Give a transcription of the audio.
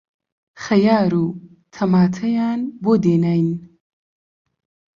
خەیار و تەماتەیان بۆ دێناین